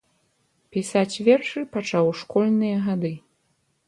Пісаць вершы пачаў у школьныя гады.